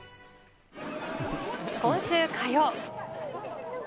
今週火曜。